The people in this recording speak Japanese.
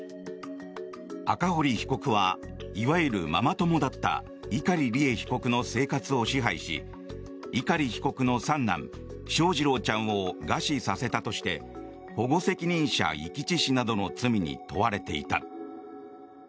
赤堀被告はいわゆるママ友だった碇利恵被告の生活を支配し碇被告の三男・翔士郎ちゃんを餓死させたとして保護責任者遺棄致死などの罪に問われていた。